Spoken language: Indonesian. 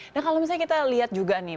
nah kalau misalnya kita lihat juga nih